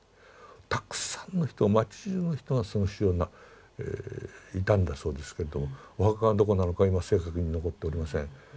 たくさんの人町じゅうの人がその死を悼んだそうですけれどもお墓がどこなのか今正確に残っておりません。